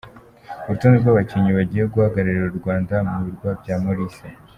Urutonde rw’abakinnyi bagiye guhagararira u Rwanda mu birwa bya Maurice.